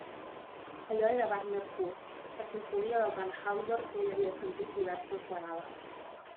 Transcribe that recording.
Allò era Wagner pur; la simfonia del Tannhäuser que ell havia sentit diverses vegades.